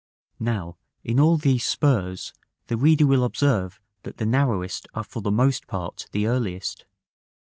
Now, in all these spurs, the reader will observe that the narrowest are for the most part the earliest.